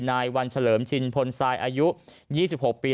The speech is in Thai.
นายวันเฉลิมชินพลทรายอายุ๒๖ปี